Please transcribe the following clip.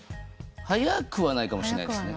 早くはないかもしんないですね。